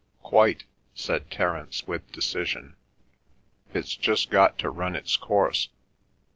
"Quite," said Terence with decision. "It's just got to run its course."